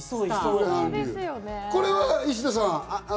これは石田さん。